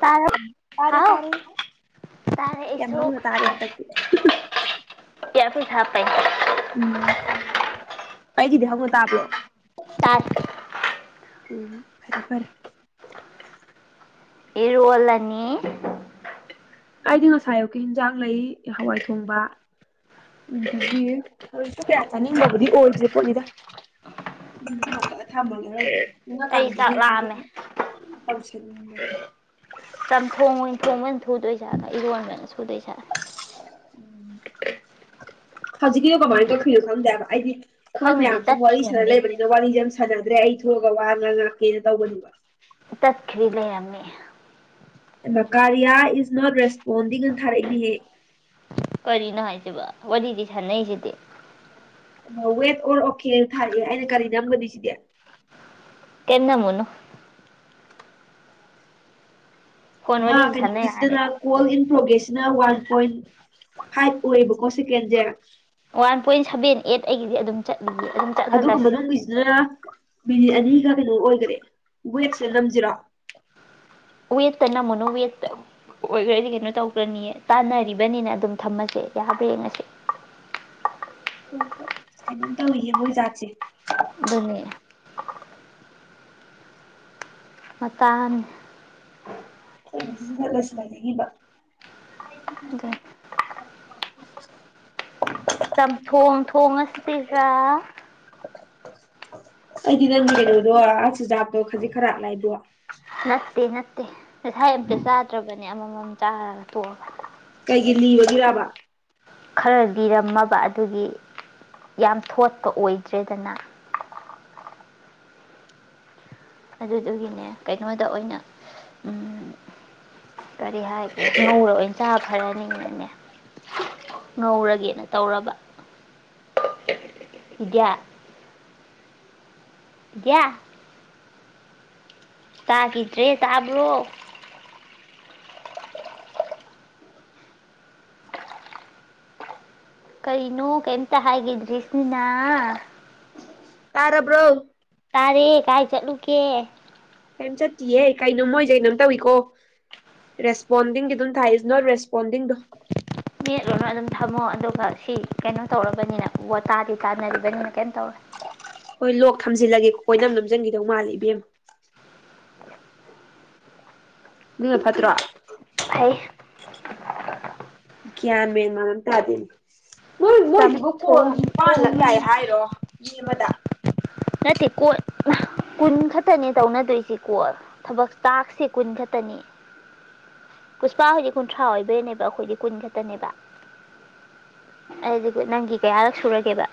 ꯇꯔ ꯍꯥꯎ ꯇꯥꯔꯦ ꯀꯌꯥꯝ ꯍꯧꯅ ꯇꯥꯔꯤꯦ ꯍꯟꯗꯛꯇꯤ ꯀꯌꯥꯕꯤ ꯊꯥꯄꯥꯏꯦ ꯎꯝ ꯑꯩꯒꯤꯗꯤ ꯍꯧꯅ ꯇꯥꯕ꯭ꯔꯣ ꯇꯞ ꯎꯝ ꯐꯔꯦ ꯐꯔꯦ ꯏꯔꯑꯣꯂꯅꯤ ꯀꯥꯏꯗꯤ ꯉꯁꯥꯏꯌꯨꯀꯤ ꯍꯤꯟꯖꯥꯡ ꯂꯩ ꯍꯋꯥꯏ ꯊꯣꯡꯕ ꯑꯗꯨꯗꯒꯤ ꯊꯔꯁꯨ ꯀꯌꯥ ꯆꯥꯅꯤꯡꯕꯕꯨꯗꯤ ꯑꯣꯏꯗ꯭ꯦ ꯄꯣꯠꯅꯤꯗ ꯎ ꯊꯂꯑꯒ ꯊꯥꯃꯜꯔ ꯑꯩ ꯅꯉꯀꯥꯟꯗꯗꯤ ꯆꯥꯛ ꯂꯥꯝꯃꯦ ꯑꯗꯨ ꯇꯧꯁꯟꯅꯤꯡꯕꯗ ꯆ ꯊꯣꯡꯉ ꯊꯣꯡꯕꯅ ꯊꯨꯗꯣꯏꯁꯥꯒ ꯏꯔꯣꯟꯕꯅ ꯁꯨꯗꯣꯏꯁꯥꯔ ꯍꯧꯖꯤ ꯀ ꯀꯃꯅꯤ ꯀꯣ ꯐꯤꯔ ꯊꯅꯗꯕ ꯑꯩꯗꯤ ꯑꯩꯈꯣꯏ ꯈꯪꯗꯦ ꯃꯌꯥꯝ ꯁ ꯋꯥꯔꯤ ꯁꯥꯟꯅ ꯇꯠꯈꯤꯔꯝꯃꯦ ꯂꯩꯕꯅꯤꯅ ꯋꯥꯔꯤꯁꯦ ꯌꯥꯝ ꯁꯥꯟꯅꯗ꯭ꯔꯦ ꯑꯩ ꯊꯣꯛꯑꯒ ꯋꯥꯅ ꯉꯥꯛꯀꯦꯅ ꯇꯧꯕꯅꯦꯕ ꯇꯠ ꯈꯔꯤꯂꯃꯤ ꯃꯀꯥꯔꯤꯌꯥ ꯏꯁ ꯅꯣꯠ ꯔꯦꯁꯄꯣꯟꯗꯤꯡ ꯑꯅ ꯊꯥꯔꯛꯏꯅꯦꯍꯦ ꯀꯔꯤꯅꯣ ꯍꯥꯏꯁꯦꯕ ꯋꯥꯔꯤꯗꯤ ꯁꯥꯟꯅꯩꯁꯤꯗꯤ ꯋꯦꯠ ꯑꯣꯔ ꯑꯣꯀꯦꯜ ꯊꯥꯔꯛꯑꯦ ꯑꯩꯅ ꯀꯔꯤ ꯅꯝꯒꯅꯤ ꯁꯤꯗꯤ ꯀꯅꯥ ꯃꯨꯅꯨ ꯐꯣꯟ ꯑ ꯋꯥꯔꯤꯁꯤ ꯀꯩꯅ ꯁꯥꯟꯅ ꯌꯥꯔꯦ ꯅꯧꯁꯇ ꯀꯜ ꯏꯟ ꯄ꯭ꯔꯣꯒ꯭ꯔꯦꯁꯁꯤꯅ ꯋꯥꯟ ꯄꯣꯏꯟ ꯐꯥꯏꯚ ꯑꯣꯏꯌꯦꯕꯀꯣ ꯁꯦꯀꯦꯟꯁꯦ ꯋꯥꯟ ꯄꯣꯏꯟ ꯁꯚꯦꯟ ꯑꯩꯠ ꯑꯩꯒꯤꯗꯤ ꯑꯗꯨꯝ ꯆꯠꯂꯒꯤ ꯑꯗꯨꯝ ꯑꯗꯨꯒ ꯆꯠꯍꯜꯂꯁꯤ ꯃꯅꯨꯡꯒꯤꯁꯤꯅ ꯃꯤꯅꯤꯠ ꯑꯅꯤꯒ ꯀꯩꯅꯣ ꯑꯣꯏꯈꯔꯦ ꯋꯦꯞꯁꯇ ꯅꯝꯁꯤꯔꯣ ꯎ ꯌꯦ ꯇ ꯅ ꯃꯨ ꯌꯦ ꯑꯣꯏꯈ꯭ꯔꯗꯤ ꯀꯩꯅꯣ ꯇꯧꯈ꯭ꯔꯅꯤꯌꯦ ꯇꯥꯟꯅꯔꯤꯕꯅꯤꯅ ꯑꯗꯨꯝ ꯊꯝꯃꯁꯦ ꯌꯥꯕ꯭ꯔꯥ ꯌꯦꯡꯉꯁꯦ ꯍꯣꯏ ꯍꯣꯏ ꯀꯩꯅꯣꯝ ꯇꯧꯏꯌꯦ ꯃꯣꯏ ꯖꯥꯠꯁꯦ ꯑꯗꯨꯅꯤ ꯃꯇꯥꯡ ꯈꯠꯂꯁꯤ ꯂꯩꯅꯤꯡꯈꯤꯕꯕ ꯑꯗꯨ ꯆꯝꯊꯣꯡ ꯊꯣꯡ ꯑꯁꯤꯒ ꯑꯩꯗꯤ ꯅꯪ ꯌꯦꯉꯨꯗꯣ ꯆꯤꯟꯖꯥꯛꯇꯣ ꯈꯖꯤꯛ ꯈꯔ ꯂꯥꯏꯗꯣ ꯅꯠꯇꯦ ꯅꯠꯇꯦ ꯉꯁꯥꯏ ꯑꯝꯇ ꯆꯥꯗ꯭ꯔꯕꯅꯦ ꯑꯃꯃꯝ ꯆꯥꯔꯒ ꯇꯣꯛꯑꯒ ꯀꯩꯒꯤ ꯂꯤꯕꯒꯤꯔꯕ ꯈꯔ ꯂꯤꯔꯝꯃꯕ ꯑꯗꯨꯒꯤ ꯌꯥꯝ ꯊꯣꯠꯄ ꯑꯣꯏꯗ꯭ꯔꯦꯗꯅ ꯑꯗꯨꯗꯨꯒꯤꯅꯦ ꯀꯩꯅꯣꯗ ꯑꯣꯏꯅ ꯀꯔꯤ ꯍꯥꯏꯒꯦ ꯉꯧꯔ ꯑꯣꯏꯅ ꯆꯥ ꯐꯔꯅꯤꯅꯅꯦ ꯉꯧꯔꯒꯦꯅ ꯇꯧꯔꯕ ꯌꯥ ꯌꯥꯌꯥ ꯇꯥꯈꯤꯗ꯭ꯔꯦ ꯇꯥꯕ꯭ꯔꯣ ꯀꯔꯤꯅꯣ ꯀꯦꯇ ꯍꯥꯏꯗ꯭ꯔꯤ ꯏꯁꯃꯅꯥ ꯀꯥꯔꯔꯕ꯭ꯔꯣ ꯇꯥꯔꯦ ꯀꯥꯏ ꯆꯠꯂꯨꯒꯦ ꯀꯩꯝ ꯆꯠꯇꯌꯦ ꯀꯩꯅꯣ ꯃꯣꯏꯁꯦ ꯀꯩꯅꯣꯝ ꯇꯧꯏꯀꯣ ꯔꯦꯁꯄꯣꯟꯗꯤꯡꯒꯤ ꯑꯗꯨꯝ ꯊꯥꯏ ꯏꯁ ꯅꯣꯠ ꯔꯦꯁꯄꯣꯟꯗꯤꯡꯗꯣ ꯃꯦꯠꯂꯣꯅ ꯑꯗꯨꯝ ꯊꯝꯃꯣ ꯑꯗꯨꯒ ꯁꯤ ꯀꯩꯅꯣ ꯇꯧꯔꯕꯅꯤꯅ ꯋꯥꯇꯥꯗꯤ ꯇꯥꯟꯅꯔꯤꯕꯅꯤꯅ ꯀꯩꯅꯣ ꯇꯧꯔꯦ ꯍꯣꯏ ꯂꯣꯛ ꯊꯝꯖꯤꯜꯂꯒꯦꯀ ꯀꯣꯏꯅꯝ ꯅꯝꯖꯟꯈꯤꯗꯧ ꯃꯥꯜꯦ ꯏꯕꯦꯝ ꯑꯗꯨꯅ ꯐꯠꯇ꯭ꯔꯣ ꯐꯩ ꯀꯌꯥꯃꯦꯦꯟ ꯃꯥꯝ ꯇꯥꯗꯅ ꯅꯣꯏ ꯃꯣꯏꯁꯤꯕꯨ ꯀꯣꯜ ꯆꯝꯊꯣꯡ ꯅꯤꯄꯥꯟꯂꯛ ꯌꯥꯏ ꯊꯣꯡꯉꯒ ꯍꯥꯏꯔꯣ ꯃꯤ ꯑꯃꯗ ꯅꯠꯇꯦ ꯀꯣꯏ ꯀꯨꯟ ꯈꯛꯇꯅꯦ ꯇꯧꯅꯗꯣꯏꯁꯤꯀꯣ ꯊꯕꯛ ꯇꯥꯛꯁꯦ ꯀꯨꯟ ꯈꯛꯇꯅꯤ ꯄꯨꯁꯄꯥ ꯍꯧꯖꯤꯛ ꯀꯨꯟꯊ꯭ꯔꯥ ꯑꯣꯏꯕꯩꯅꯦꯕ ꯑꯩꯈꯣꯏꯗꯤ ꯀꯨꯟ ꯈꯛꯇꯅꯦꯕ ꯑꯩ ꯅꯪꯒꯤ ꯀꯌꯥꯔꯛ ꯁꯨꯔꯒꯦꯕ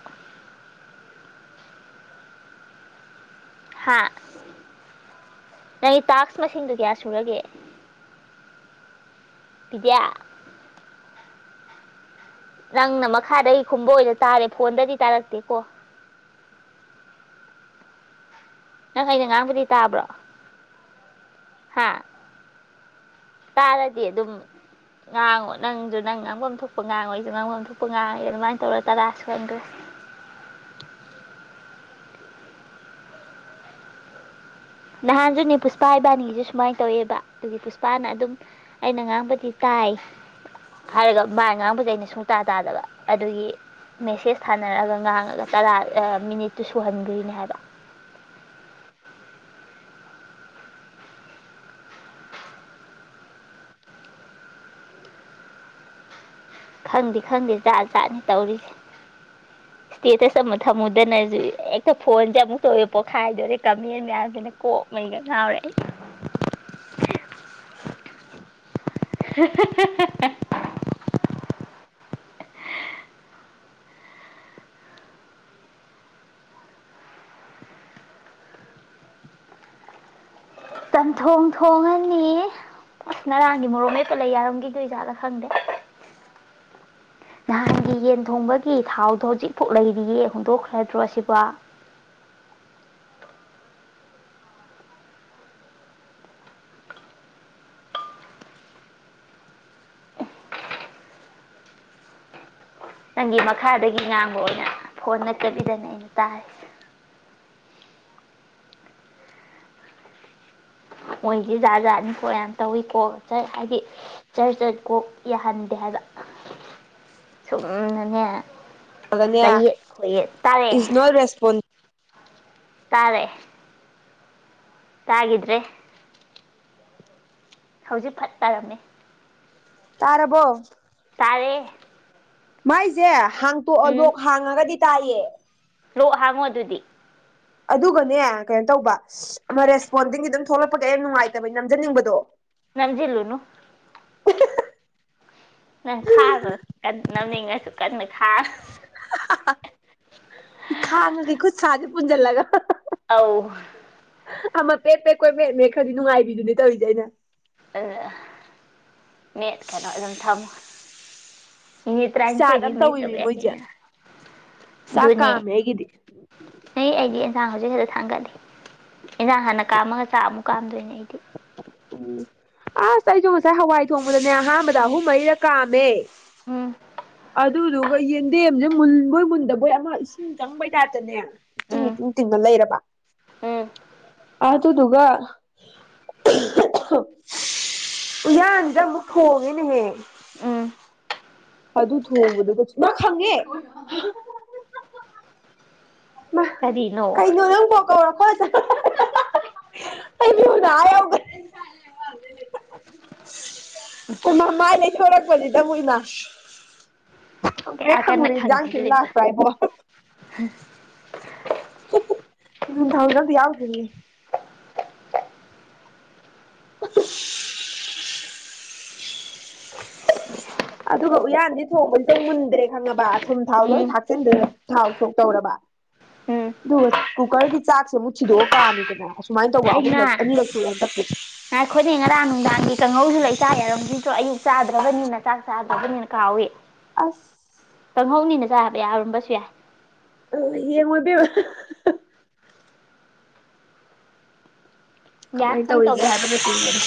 ꯍꯥ ꯅꯪ ꯇꯥꯛꯁ ꯃꯁꯤꯡꯗꯨ ꯀꯌꯥ ꯁꯨꯔꯒꯦ ꯄꯗꯤꯌꯥ ꯅꯪꯅ ꯃꯈꯥꯗꯒꯤ ꯈꯨꯝꯕ ꯑꯣꯏꯅ ꯇꯥꯔꯦ ꯐꯣꯟꯗꯗꯤ ꯇꯥꯔꯛꯇꯦꯀꯣ ꯅꯪ ꯑꯩꯅ ꯑ ꯉꯥꯡꯕꯨꯗꯤ ꯇꯥꯕ꯭ꯔꯣ ꯍꯥ ꯇꯥꯔꯗꯤ ꯑꯗꯨꯝ ꯉꯥꯡꯉꯣ ꯅꯪꯁꯨ ꯅꯪ ꯉꯥꯡꯐꯝꯝ ꯊꯣꯛꯄ ꯉꯥꯡꯉꯣꯏꯁꯨ ꯉꯥꯡꯐꯝꯝ ꯊꯣꯛꯄ ꯉꯥꯡꯉꯦ ꯑꯗꯨꯃꯥꯏꯅ ꯇꯧꯔꯒ ꯇꯔꯥꯁꯨ ꯈꯪꯗ꯭ꯔꯦ ꯅꯍꯥꯟꯁꯨꯅꯦ ꯄꯨꯁꯄꯥ ꯏꯕꯥꯅꯤꯁꯨ ꯁꯨꯃꯥꯏꯅ ꯇꯧꯋꯦꯕ ꯑꯗꯨꯒꯤ ꯄꯨꯁꯄꯥꯅ ꯑꯗꯨꯝ ꯑꯩꯅ ꯉꯥꯡꯕꯗꯤ ꯇꯥꯏ ꯍꯥꯏꯔꯒ ꯃꯥꯏ ꯉꯥꯡꯕꯁꯦ ꯑꯩꯅ ꯁꯨꯡꯇꯥ ꯇꯥꯗꯕ ꯑꯗꯨꯒꯤ ꯃꯦꯁꯦꯁ ꯊꯥꯅꯔꯛꯑꯒ ꯉꯥꯡꯉꯒ ꯇꯔꯥ ꯃꯤꯅꯤꯠꯇꯨ ꯁꯨꯍꯟꯗ꯭ꯔꯤꯅꯦ ꯍꯥꯏꯕ ꯈꯪꯗꯦ ꯈꯪꯗꯦ ꯥꯠ ꯆꯥꯠꯅꯤ ꯇꯧꯔꯤꯁꯦ ꯏꯁꯇꯦꯇꯁ ꯑꯃ ꯊꯝꯃꯨꯗꯅꯁꯨ ꯍꯦꯛꯇ ꯐꯣꯟꯁꯦ ꯑꯃꯨꯛ ꯇꯧꯋꯦ ꯄꯣꯛꯈꯥꯏꯗꯣꯔꯦ ꯀꯃꯦꯟ ꯃꯌꯥꯝꯁꯤꯅ ꯀꯣ ꯃꯒ ꯌꯥꯔꯦ ꯀꯥ ꯇꯝꯊꯣꯡ ꯊꯣꯡꯉꯅꯤ ꯑꯁ ꯉꯔꯥꯡꯒꯤ ꯃꯣꯔꯣ ꯍꯩ ꯄꯨꯜꯂ ꯌꯥꯔꯝꯈꯤꯗꯣꯏ ꯖꯥꯠꯗ ꯈꯪꯗꯦ ꯅꯍꯥꯟꯒꯤ ꯌꯦꯟ ꯊꯣꯡꯕꯒꯤ ꯊꯥꯎꯗꯣ ꯍꯧꯖꯤꯛꯐꯥꯎ ꯂꯩꯔꯤꯌꯦ ꯍꯨꯟꯗꯣꯛꯈ꯭ꯔꯗ꯭ꯔꯣ ꯑꯁꯤꯕ ꯅꯪꯒꯤ ꯃꯈꯥꯗꯒꯤ ꯉꯥꯡꯕ ꯑꯣꯏꯅ ꯐꯣꯟ ꯅꯠꯇꯕꯤꯗꯅ ꯑꯩꯅ ꯇꯥꯏ ꯃꯣꯏꯗꯤ ꯖꯥꯠ ꯖꯥꯠꯅꯤꯀꯣ ꯌꯥꯝ ꯇꯧꯏꯤꯀꯣ ꯍꯥꯏꯗꯤ ꯆꯔ ꯆꯠ ꯀꯣꯛ ꯌꯥꯍꯟꯗꯦ ꯍꯥꯏꯕ ꯁꯨꯝꯅꯅꯦ ꯆꯌꯦꯠ ꯈꯌꯦꯠ ꯇꯔꯦ ꯔꯦꯁꯄꯣꯟꯁ ꯇꯥꯔꯦ ꯇꯥꯒꯗ꯭ꯔꯦ ꯍꯧꯖꯤꯛ ꯐꯠꯇꯥꯔꯝꯃꯤ ꯇꯥꯔꯔꯕꯣ ꯇꯔꯦ ꯃꯥꯏꯁꯦ ꯍꯥꯡꯇꯣꯛꯑ ꯎꯝ ꯂꯣꯛ ꯍꯥꯡꯉꯒꯗꯤ ꯇꯥꯏꯌꯦ ꯂꯣꯛ ꯍꯥꯃꯣ ꯑꯗꯨꯗꯤ ꯑꯗꯨꯒꯅꯦ ꯀꯩꯅꯣ ꯇꯧꯕ ꯑꯃ ꯔꯦꯁꯄꯣꯟꯗꯤꯡꯒꯤ ꯑꯗꯨꯝ ꯊꯣꯛꯂꯛꯄꯒ ꯌꯥꯝ ꯅꯨꯡꯉꯥꯏꯇꯕꯩ ꯅꯝꯖꯅꯤꯡꯕꯗꯣ ꯅꯟꯖꯜꯨꯅ ꯅꯪ ꯈꯥꯕꯣ ꯀ ꯅꯝꯅꯤꯡꯉꯁꯨ ꯀꯟꯅ ꯈꯥꯕꯣ ꯈꯥꯡꯉꯒꯩ ꯈꯨꯠ ꯁꯥꯥꯁꯦ ꯄꯨꯟꯁꯤꯜꯂꯒ ꯑꯥꯎ ꯑꯃ ꯄꯦꯠ ꯄꯦ ꯀꯣꯏ ꯃꯦꯠꯃꯦ ꯈꯔꯗꯤ ꯅꯨꯡꯉꯥꯏꯕꯤꯗꯨꯅꯦ ꯇꯧꯔꯤꯁꯦ ꯑꯩꯅ ꯑꯗꯨ ꯃꯠ ꯀꯩꯅꯣ ꯑꯗꯨꯝ ꯊꯝꯃꯣ ꯃꯤꯅꯤꯠ ꯖꯥꯠ ꯇꯔꯥꯅꯤꯊꯣꯏꯗꯤ ꯑꯃ ꯃꯤꯁ ꯇꯧꯋꯤꯃꯤ ꯇꯧꯕ ꯃꯣꯏꯁꯦ ꯌꯥꯒꯦꯅ ꯆꯥꯛ ꯑꯗꯨꯅꯦ ꯀꯥꯝꯃꯦ ꯑꯩꯒꯤꯗꯤ ꯅꯩ ꯑꯩꯗꯤ ꯑꯦꯟꯖꯥꯡ ꯍꯧꯖꯤꯛ ꯈꯛꯇ ꯊꯥꯡꯒꯠꯂꯤ ꯑꯦꯟꯖꯥꯡ ꯍꯥꯟꯅ ꯀꯥꯝꯃꯒ ꯆꯥꯛ ꯑꯃꯨꯛ ꯀꯥꯝꯗꯣꯏꯅꯦ ꯑꯩꯗꯤ ꯎꯝ ꯑꯁ ꯑꯩꯁꯨ ꯉꯁꯥꯏ ꯍꯋꯥꯏ ꯊꯣꯡꯕꯗꯅꯦ ꯑꯍꯥꯟꯕꯗ ꯑꯍꯨꯝ ꯃꯔꯤꯔ ꯀꯥꯝꯃꯦ ꯎꯝ ꯑꯗꯨꯗꯨꯒ ꯌꯦꯟꯗꯦꯝꯁꯦ ꯃꯨꯟꯕꯣꯏ ꯃꯨꯟꯗꯕꯣꯏ ꯑꯃ ꯏꯁꯤꯡ ꯆꯪꯕꯩ ꯇꯥꯏꯞꯇꯅꯦ ꯏꯇꯤꯡ ꯎꯝ ꯏꯇꯤꯡ ꯇꯤꯡꯅ ꯂꯩꯔꯕ ꯎꯝ ꯑꯗꯨꯗꯨꯒ ꯎꯍꯥꯟꯖꯤꯗ ꯑꯃꯨꯛ ꯊꯣꯡꯉꯦꯅꯦꯍꯦ ꯎꯝ ꯑꯗꯨ ꯊꯣꯡꯕꯗꯨꯒ ꯏꯃꯥ ꯈꯪꯉꯦ ꯃꯥ ꯀꯔꯤꯅꯣ ꯀꯩꯅꫭ ꯅꯪꯕꯨ ꯑꯩ [inaudible] ꯃꯤꯍꯨꯅ ꯑꯥ ꯌꯧꯒ꯭ꯔꯦ [inaudible] ꯎꯃꯥ ꯃꯥꯥꯏ ꯂꯩꯊꫭꯔꯛꯄꯖꯤꯗ ꯑꯃꯨꯛ ꯏꯃꯥ ꯈꯪꯄ꯭ꯔꯦꯛ ꯈꯪꯉꯨꯔꯦ ꯍꯤꯟꯖꯥꯛ ꯊꯤꯟ ꯂꯥꯛꯄꯔꯥꯏꯕꫭ ꯍ ꯃꯤꯍꯨꯟ ꯊꯥꯍꯨꯟ ꯑꯝꯇ ꯌꯥꯎꯗ꯭ꯔꯦꯍꯦ [unintelligible] [inaudible] ꯑꯗꯨꯒ ꯎꯌꯥꯟꯗꯤ ꯊꯣꯡꯕꯖꯤꯗ ꯃꯨꯟꯗ꯭ꯔꯦ ꯈꯪꯉꯕ ꯑꯊꯨꯝ ꯊꯥꯎ ꯂꯣꯏ ꯎꯝ ꯊꯥꯛꯆꯤꯟꯗꯅ ꯊꯥꯎ ꯊꯣꯛ ꯇꯧꯔꯕ [inaudible] ꯑꯗꯨꯒ ꯀꯨꯀ꯭ꯔꯒꯤ ꯆꯥꯛꯁꯦ ꯑꯃꯨꯛ ꯊꯤꯗꯣꯛꯑ ꯀꯥꯝꯃꯤꯗꯅ ꯑꯁꯨꯃꯥꯏꯅ ꯇꯧꯕ ꯑꯍꯨꯝꯂꯛ ꯑꯅꯤꯔꯛꯁꯨꯔꯦ ꯍꯟꯗꯛꯀꯤ ꯉꯥꯏ ꯈꯣꯅꯦ ꯉꯔꯥꯡ ꯅꯨꯡꯗꯥꯡꯒꯤ ꯀꯥꯡꯍꯧꯁꯨ ꯂꯩ ꯆꯥ ꯌꯥꯔꯝꯒꯤꯗ꯭ꯔꯣ ꯑꯌꯨꯛ ꯆꯥꯗ꯭ꯔꯕꯅꯤꯅ ꯆꯥꯛ ꯆꯥꯗ꯭ꯔꯕꯅꯤꯅ ꯀꯥꯎꯑꯦ ꯑꯁ ꯆꯪꯍꯧꯅꯤꯅ ꯆꯥꯕ ꯌꯥꯎꯔꯝꯕꯁꯨ ꯌꯥꯏ ꯑ ꯌꯦꯡꯔꫭ ꯏꯕꯦꯝꯃ ꯌꯥ ꯀꯃꯥꯏꯅ ꯀꯦꯝ ꯇꯧꯔꯤꯒꯦ ꯇꯧꯗꯦ ꯍꯥꯏꯕꯅꯆꯤꯡꯕꯗꯣ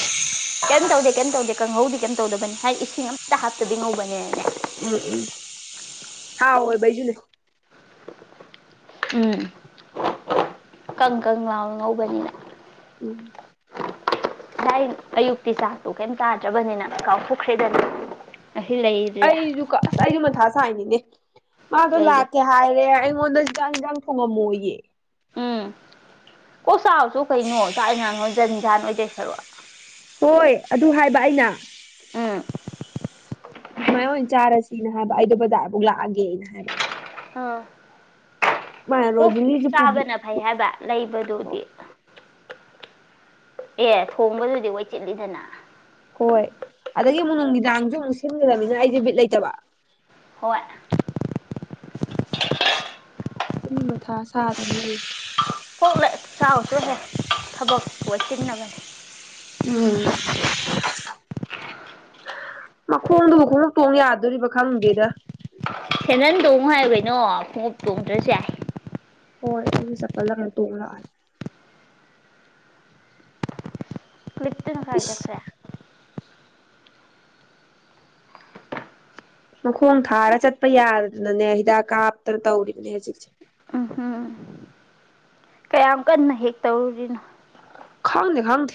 ꯀꯩꯝ ꯇꯧꯗꯦ ꯀꯩꯝ ꯇꯧꯗꯦ ꯀꯥꯡꯍꯧꯗꯤ ꯀꯔꯤꯝ ꯇꯧꯗꯕꯅꯤ ꯍꯥꯏꯗꯤ ꯏꯁꯤꯡ ꯑꯃꯇ ꯍꯥꯞꯇꯕꯤ ꯉꯧꯕꯅꯦꯅꯦ ꯎꯝ ꯎꯝ ꯍꯥꯎꯋꯦꯕ ꯑꯩꯖꯨꯅꯨ ꯎꯝ ꯀꯪ ꯀꯪ ꯂꯥꯎ ꯉꯧꯕꯅꯤꯅ ꯎꯝ ꯁꯥꯏ ꯑꯌꯨꯛꯇꯤ ꯆꯥꯛꯇꯣ ꯀꯩꯝ ꯇꯥꯗ꯭ꯔꯕꯅꯤꯅ ꯀꯥꯎꯊꫭꯛꯈ꯭ꯔꯦꯗꯅ ꯑꯁꯤ ꯂꯩ ꯑꯩꯁꯨ ꯑꯁ ꯑꯩꯁꯨ ꯃꯊꯥ ꯁꯥꯏꯅꯤꯅꯦ ꯃꯥꯗꯣ ꯀꯩꯒꯤ ꯂꯥꯛꯀꯦ ꯍꯥꯏꯔꯦ ꯑꯩꯉꯣꯟꯗ ꯆꯥꯡ ꯌꯦꯟꯁꯥꯡ ꯊꯣꯡꯉꯝꯃꯣꯌꯦ ꯎꯝ ꯀꯣꯛ ꯆꯥꯎꯁꫭ ꯀꯩꯅꯣ ꯆꯥꯛꯅꯣꯟꯖꯥꯡꯗꫭ ꯖꯟꯖꯥꯟ ꯑꫭꯏꯗꯧ ꯁꯔꯨꯛ ꯍꯣꯏ ꯑꯗꯨ ꯍꯥꯏꯕ ꯑꯩꯅ ꯎꯝ ꯑꯗꯨꯃꯥꯏꯅ ꯑꯣꯏꯅ ꯆꯥꯔꯁꯤꯅ ꯍꯥꯏꯕ ꯑꯩꯗ ꯕꯖꯥꯔꯐꯧ ꯂꯥꯛꯑꯒꯦ ꯑꯩꯅ ꯍꯥꯏꯕ ꯑ ꯃꯥꯅ ꯀꯣꯛ ꯔꯣꯖꯤꯂꯤꯁꯨ ꯄꯨꯕꯤ ꯆꯥꯕꯅ ꯐꯩ ꯍꯥꯏꯕ ꯂꯩꯕꯗꯨꯗꯤ ꯑꯦ ꯊꯣꯡꯕꯗꯨꯗꯤ ꯋꯥꯏ ꯆꯤꯜꯂꯤꯗꯅ ꯍꯣꯏ ꯑꯗꯒꯤ ꯑꯃꯨꯛ ꯅꯨꯃꯤꯗꯥꯡꯒꯤꯁꯨ ꯑꯃꯨꯛ ꯁꯤꯟꯒꯗꯕꯅꯤꯅ ꯑꯩꯁꯦ ꯕꯤꯠ ꯂꯩꯇꯕ ꯍꫭꯏ ꯑꯅꯤ ꯃꯊꯥ ꯁꯥꯗꯅ ꯂꯩ ꯀꯣꯛꯂ ꯆꯥꯎꯁꯨ ꯍꯦ ꯊꯕꯛꯄꯨꯆꯤꯟꯅꯕꯅꯦ ꯎꯝ ꯃꯈꯣꯡꯗꯨꯕꯨ ꯈꯣꯡꯉꯨꯞ ꯇꯣꯡ ꯌꯥꯗꯣꯔꯤꯕ ꯈꯪꯗꯦꯗ ꯁꯦꯟꯗꯟ ꯇꯣꯡꯉꯨ ꯍꯥꯏꯌꯨ ꯀꯩꯅꫭ ꯈꫭꯡꯉꯨꯞ ꯇꯣꯡꯗ꯭ꯔꯁꯨ ꯌꯥꯏ ꯍꯣꯏ ꯑꯩꯁꯨ ꯆꯄꯜꯂ ꯀꯩꯅꫭ ꯇꯣꯡꯉꯥ ꯂꯥꯛꯑꯅꯤ ꯏꯁ ꯇꯅꯪꯥꯏꯛꯖꯠ꯭ꯔꯦ [unintelligible] ꯃꯈꯣꯡ ꯊꯥꯔ ꯆꯠꯄ ꯌꯥꯗꯗꯅꯅꯦ ꯍꯤꯗꯥꯛ ꯀꯥꯞꯇꯅ ꯇꯧꯔꯤꯕꯅꯦ ꯍꯧꯖꯤꯛꯁꯦ ꯎꯍꯝ ꯀꯌꯥꯝ ꯀꯟꯅ ꯍꯦꯛ ꯇꯧꯔꯨꯔꯤꯅꯣ ꯈꯪꯗꯦ ꯈꯪꯗꯦ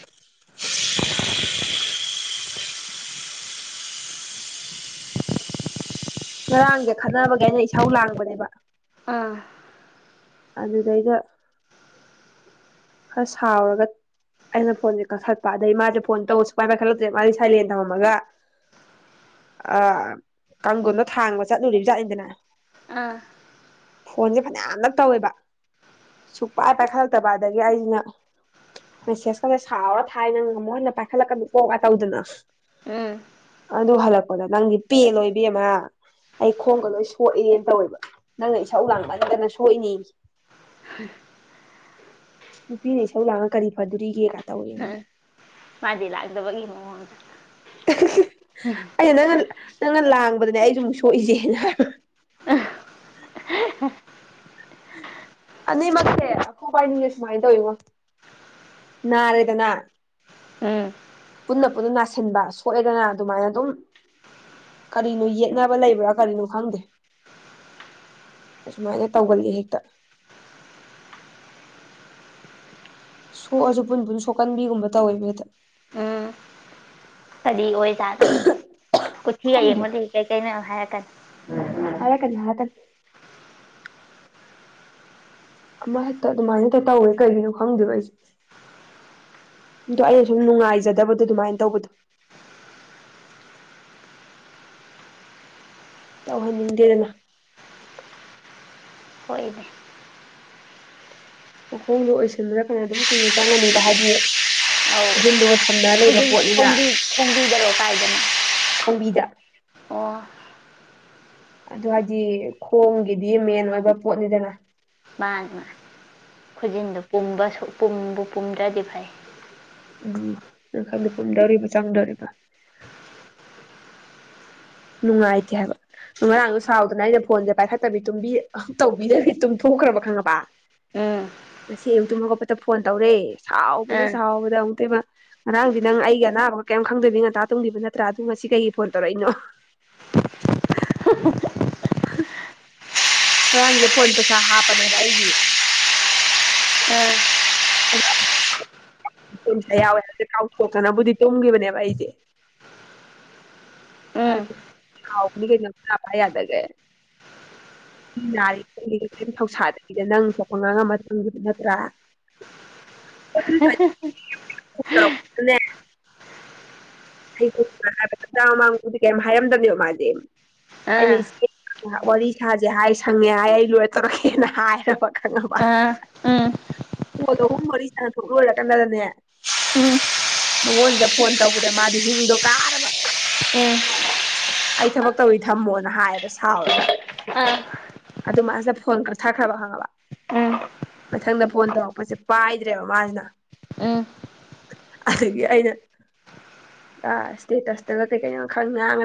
ꯉꯔꯥꯡꯁꯦ ꯈꯠꯅꯕꯒꯦ ꯑꯩꯅ ꯏꯁꯥꯎ ꯂꯥꯡꯕꯅꯦꯕ ꯑꯥ ꯑꯗꯨꯗꯩꯗ ꯈꯔ ꯁꯥꯎꯔꯒ ꯑꯩꯅ ꯐꯣꯟꯁꯦ ꯀꯛꯈꯠꯄ ꯑꯗꯒꯤꯩ ꯃꯥꯁꯦ ꯐꯣꯟ ꯇꯧ ꯁꯨꯛꯥꯏ ꯄꯥꯏꯈꯠꯂꯛꯇ꯭ꯔꯦ ꯃꯥꯗꯤꯦꯥꯏꯂꯦꯟ ꯇꯝꯃꯒ ꯑ ꯀꯥꯡꯒꯨꯜꯗꯣ ꯊꯥꯡꯕ ꯆꯠꯂꯨꯔꯤꯕꯖꯥꯠꯅꯤꯗꯅ ꯑ ꯐꯣꯟꯁꯦ ꯐꯅꯌꯥꯝꯅ ꯇꯧꯋꯦꯕ ꯁꯨꯛꯄꯥꯏ ꯄꯥꯏꯈꯠꯂꯛꯇꯕ ꯑꯗꯒꯤ ꯑꯩꯁꯤꯅ ꯃꯦꯁꯦꯁꯀꯔ ꯁꯥꯎꯔ ꯊꯥꯏꯅꯪ ꯑꯃꯨꯛ ꯍꯟꯅ ꯄꯥꯏꯈꯠꯂꯛꯀꯅꯤ ꯀꯣꯒ ꯇꯧꯗꯅ ꯎꯝ ꯑꯗꯨ ꯍꯜꯂꯛꯄꯗꯣ ꯅꯪꯒꯤ ꯄꯦ ꯑꯣꯏꯕꯤ ꯑꯃ ꯑꯩ ꯈꯣꯡꯒ ꯂꯣꯏ ꯁꯣꯛꯑꯦꯅ ꯇꯧꯋꯦꯕ ꯅꯪꯅ ꯏꯁꯧ ꯂꯥꯡꯅꯤꯗꯅ ꯊꯣꯛꯣꯏꯅꯦ ꯅꯨꯄꯤꯅ ꯏꯁꯩꯧ ꯂꯥꯛꯉ ꯀꯔꯤ ꯐꯗꯣꯔꯤꯒꯦ ꯀ ꯎꯝ ꯃꯗꯤ ꯂꯥꯛꯗꯕꯒꯤ ꯍ ꯑꯩꯅ ꯅꯪꯅ ꯅꯪꯅ ꯂꯥꯡꯕꯗꯅꯦ ꯑꯩꯁꯨ ꯑꯃꯨꯛ ꯁꯣꯛꯏꯁꯦꯅ ꯍꯝ ꯑꯅꯤꯃꯛꯁꯦ ꯑꯩꯈꯣ ꯄꯥꯏꯅꯤꯡꯉꯦ ꯁꯨꯃꯥꯏꯅ ꯇꯧꯋꯤꯉꯣ ꯅꯥꯔꯦꯗꯅ ꯎꯝ ꯄꯨꯟꯅ ꯄꯨꯟꯅ ꯅꯥꯁꯤꯟꯕ ꯁꯣꯛꯑꯦꯗꯅ ꯑꯗꯨꯃꯥꯏꯅ ꯑꯗꯨꯝ ꯀꯔꯤꯅꯣ ꯌꯦꯠꯅꯕ ꯂꯩꯕ꯭ꯔꯥ ꯀꯔꯤꯅꯣ ꯈꯪꯗꯦ ꯑꯁꯨꯃꯥꯏꯅ ꯇꯧꯒꯜꯂꯤ ꯍꯦꯛꯇ ꯁꯣꯛꯑꯁꯨ ꯄꯨꯟ ꯄꯨꯟ ꯁꯣꯛꯀꯟꯕꯤꯒꯨꯝꯕ ꯇꯧꯋꯦ ꯃꯤꯗ ꯎꯝ ꯀꯔꯤ ꯑꯣꯏꯖꯥꯠꯅꯣ ꯀꯊꯤꯒ ꯌꯦꯡꯉꯣꯗ ꯀꯔꯤꯀꯩꯅꯣ ꯍꯥꯏꯔꯛꯀꯅꯤ ꯑ ꯀꯅ ꯍꯥꯏ ꯑꯃ ꯍꯦꯛꯇ ꯑꯗꯨꯃꯥꯏꯅ ꯍꯦꯛꯇ ꯇꯧꯋꯦ ꯀꯩꯒꯤꯅꯣ ꯈꯪꯗꯦꯕꯣ ꯑꯩꯁꯦ ꯑꯗꯣ ꯑꯩꯅ ꯁꯨꯝ ꯅꯨꯡꯉꯥꯏꯖꯗꯕꯗꯣ ꯑꯗꯨꯃꯥꯏꯅ ꯇꯧꯕꯗꯣ ꯇꯧꯍꯟꯅꯤꯡꯗꯦꯗꯅ ꯍꯣꯏ ꯏꯅꯦ ꯃꯈꯣꯡꯗꯣ ꯑꯣꯏꯁꯤꯟꯕꯅ ꯀꯩꯅꯅ ꯑꯗꯨꯝ ꯀꯨꯏꯅ ꯆꯪꯒꯅꯤꯕ ꯍꯥꯏꯗꯤ ꯈꯨꯣꯟꯖꯤꯟꯗꯨꯒ ꯁꯝꯅꯔ ꯂꯩꯕ ꯄꯣꯠꯅꯤꯅ ꯐꯣꯡꯕꯤꯗꯔꯣ ꯀꯥꯏꯗꯅ ꯈꯣꯡꯝꯕꯤꯗ ꯑꯗꯨ ꯍꯥꯏꯗꯤ ꯈꯣꯡꯒꯤꯗꯤ ꯃꯦꯟ ꯑꯣꯏꯕ ꯄꯣꯠꯅꯤꯗꯅ ꯃꯥ ꯃꯥ ꯈꯨꯖꯤꯟꯗꯨꯣꯕ ꯄꯕꯨ ꯄꯨꯝꯗ꯭ꯔꯗꯤ ꯐꯩ ꯎꯝ ꯅ ꯈꯪꯗ ꯄꯨꯨꯝꯗꯣꯔꯤꯕ ꯆꯪꯗꯣꯔꯤꯕ ꯅꯨꯡꯉꯥꯏꯇꯦ ꯍꯥꯏꯕ ꯉꯔꯥꯡꯗꯣ ꯁꯥꯎꯗꯅ ꯑꯩꯅ ꯐꯣꯟꯁꯦ ꯄꯥꯏꯈꯠꯇꯕꯤ ꯇꯨꯝꯕꯤ ꯇꯧꯕꯤꯗꯕꯤ ꯇꯨꯝꯊꯣꯛꯈ꯭ꯔꯕ ꯈꯪꯉꯕ ꯎ ꯉꯁꯤ ꯑꯌꯨꯛꯇꯨꯝꯕ ꯈꯣꯠꯄꯗ ꯐꯣꯟ ꯇꯧꯔꯦ ꯁꯥꯎꯕꯗ ꯑꯥ ꯁꯥꯎꯕꯗ ꯑꯃꯨꯛꯇꯃ ꯉꯔꯥꯡꯗꯤ ꯅꯪ ꯑꯩꯒꯤ ꯑꯅꯥꯕ ꯀꯩꯝ ꯈꯪꯗꯣꯏꯕꯤ ꯉꯟꯇꯥ ꯇꯨꯡꯒꯤꯕ ꯅꯠꯇ꯭ꯔꯥ ꯑꯗꯨ ꯉꯁꯤ ꯀꯩꯒꯤ ꯐꯣꯟ ꯇꯧꯔꯛꯏꯅꯣ [unintelligible] ꯉꯔꯥꯡꯁꯦ ꯐꯣꯟ ꯄꯩꯁꯥ ꯍꯥꯞꯄꯅꯦꯕ ꯑꯩꯒꯤ ꯎꯝ ꯨꯝꯁ ꯌꯥꯎꯋꯦ ꯍꯥꯏꯦ ꯀꯥꯎꯊꯣꯛꯇꯅꯕꯨꯗꯤ ꯇꯨꯝꯈꯤꯕꯅꯦꯕ ꯑꯩꯁꯦ ꯎꯝ ꯑꯗꯨꯥꯎ ꯀꯄꯥꯏ ꯌꯥꯗꯒꯦ ꯔꯤ ꯊꯧꯁꯥꯗꯒꯤꯗ ꯅꯪ ꯊꯣꯛꯄ ꯉꯥꯡꯉꯝꯝꯕ ꯃꯇꯝꯪꯒꯤꯗ ꯅꯠꯇ꯭ꯔꯥ [unintelligible] ꯣ ꯍꯩ ꯍꯥꯏꯕ ꯍꯖꯥꯡ ꯑꯃꯥꯡꯕꯨꯗꯤ ꯀꯩꯝ ꯍꯥꯏꯔꯝꯗꯕꯅꯦꯕ ꯃꯥꯁꯦ ꯑꯩꯅ ꯑꯥ ꯏꯆꯦ ꯋꯥꯔꯤ ꯁꯥꯥꯁꯦ ꯍꯥꯏ ꯁꯪꯉꯦ ꯍꯥꯏ ꯑꯩ ꯂꯣꯏꯔ ꯇꯧꯔꯛꯀꯦꯅ ꯍꯥꯏꯔꯕ ꯈꯪꯉꯕ ꯑꯥ ꯎꯝ ꯄꯣ ꯑꯍꯨꯝ ꯃꯔꯤ ꯁꯅ ꯊꯣꯛꯂꯍꯜꯂꯀꯥꯟꯗꯅꯦ ꯎꯝ ꯃꯉꯣꯟꯗ ꯐꯣꯟ ꯇꯧꯕꯗ ꯃꯥꯗꯤ ꯍꯤꯡꯗꯣ ꯀꯥꯔꯕ ꯎꯝ ꯑꯩ ꯊꯕꯛ ꯇꯧꯔꯤ ꯊꯝꯃꯣꯅ ꯍꯥꯏꯌꯦꯕ ꯁꯥꯎꯔꯒ ꯑꯥ ꯑꯗꯨ ꯃꯥꯁꯤꯗ ꯐꯣꯟ ꯊꯥꯈ꯭ꯔꯕ ꯍꯪꯉꯕ ꯎꯝ ꯃꯊꯪꯗ ꯐꯣꯟ ꯇꯧꯔꯛꯄꯁꯦ ꯄꯥꯏꯗ꯭ꯔꯦꯕ ꯃꯥꯁꯤꯅ ꯎꯝ ꯑꯗꯒꯤ ꯑꯩꯅ ꯑ ꯏꯁꯇꯦꯇꯁꯇꯒ ꯀꯩ ꯀꯩꯅꯣ ꯈꯪꯥꯡ